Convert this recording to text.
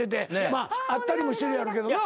まあ会ったりもしてるやろうけどな。